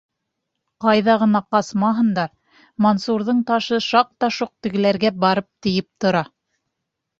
Ҡайҙа ғына ҡасмаһындар, Мансурҙың ташы шаҡ-тоҡ тегеләргә барып тейеп тора.